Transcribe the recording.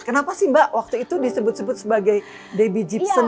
kenapa sih mbak waktu itu disebut sebut sebagai debbie jeeption